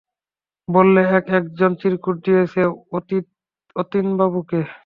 বললে, কে একজন এই চিরকুট দিয়েছে অতীনবাবুকে।